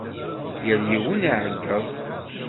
Yal yiwen iɛeggeḍ.